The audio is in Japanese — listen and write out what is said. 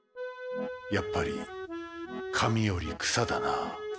やっぱりかみよりくさだなあ。